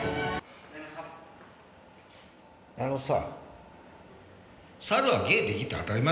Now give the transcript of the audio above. あのさ。